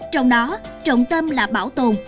trong đó trọng tâm là bảo tồn